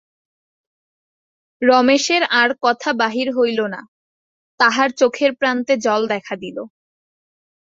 রমেশের আর কথা বাহির হইল না, তাহার চোখের প্রান্তে জল দেখা দিল।